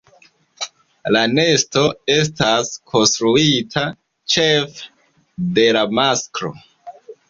La nesto estas konstruita ĉefe de la masklo.